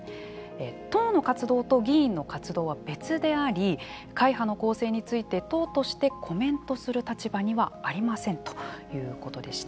党の活動と議員の活動は別であり会派の構成について党としてコメントする立場にはありませんということでした。